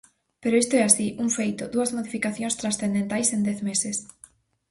Pero isto é así, un feito: dúas modificacións transcendentais en dez meses.